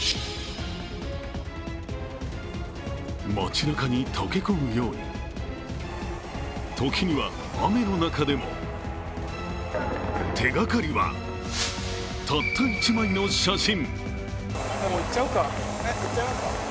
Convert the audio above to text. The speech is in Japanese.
街なかに溶け込むように時には雨の中でも手がかりは、たった１枚の写真。